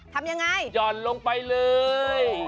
ทำยังไงหย่อนลงไปเลย